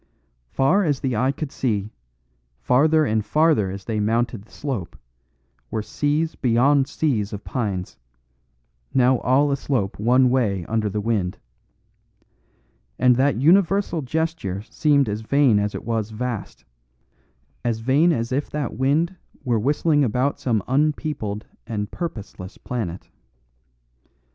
Far as the eye could see, farther and farther as they mounted the slope, were seas beyond seas of pines, now all aslope one way under the wind. And that universal gesture seemed as vain as it was vast, as vain as if that wind were whistling about some unpeopled and purposeless planet.